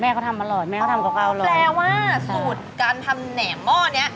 แม่เขาทำอร่อยแม่เขาทำเกาอร่อยแปลว่าสูตรการทำแหนมหม้อนี้